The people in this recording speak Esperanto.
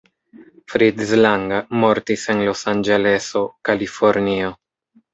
Fritz Lang mortis en Los-Anĝeleso, Kalifornio.